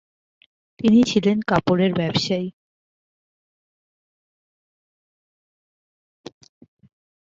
তিনি ছিলেন কাপড়ের ব্যবসায়ী’ ।